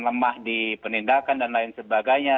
lemah di penindakan dan lain sebagainya